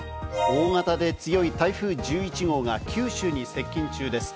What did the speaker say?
大型で強い台風１１号が九州に接近中です。